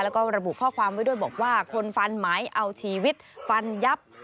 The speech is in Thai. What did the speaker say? แล้วก็ระบุข้อความไว้ด้วยบอกว่าคนฟันหมายเอาชีวิตฟันยับ